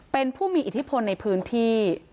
เป็นผู้มีอิทธิพลในพื้นที่